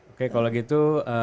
oke kalau gitu